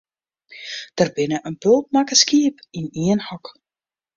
Der kinne in bult makke skiep yn ien hok.